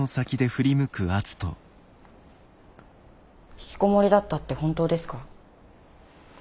ひきこもりだったって本当ですか？